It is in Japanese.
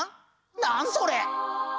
何それ！？